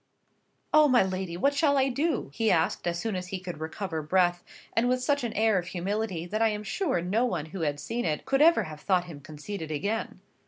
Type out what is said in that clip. "Oh, my lady, what shall I do?" he asked, as soon as he could recover breath, and with such an air of humility, that I am sure no one who had seen it could have ever thought him conceited again.